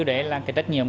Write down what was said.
đấy là cái trách nhiệm